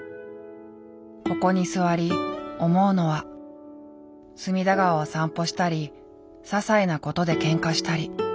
ここに座り思うのは隅田川を散歩したりささいなことでけんかしたり。